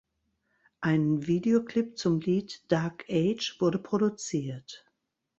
Ein Videoclip zum Lied "Dark Age" wurde produziert.